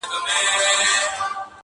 عمر ځکه ډېر کوي چي پوه په کار دی!.